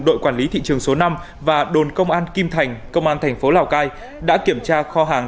đội quản lý thị trường số năm và đồn công an kim thành công an thành phố lào cai đã kiểm tra kho hàng